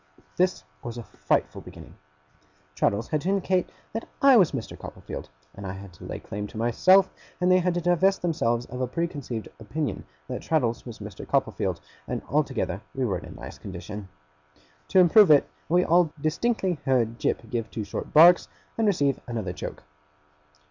This was a frightful beginning. Traddles had to indicate that I was Mr. Copperfield, and I had to lay claim to myself, and they had to divest themselves of a preconceived opinion that Traddles was Mr. Copperfield, and altogether we were in a nice condition. To improve it, we all distinctly heard Jip give two short barks, and receive another choke.